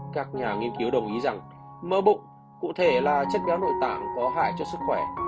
các nhà nghiên cứu đồng ý rằng mỡ bụng cụ thể là chất béo nội tạng có hại cho sức khỏe